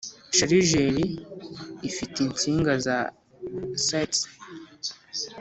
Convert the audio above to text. Sharijeri ifite insinga za cites